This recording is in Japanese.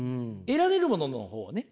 得られるものの方をね